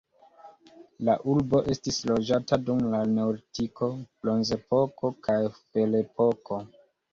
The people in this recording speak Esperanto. La urbo estis loĝata dum la neolitiko, bronzepoko kaj ferepoko.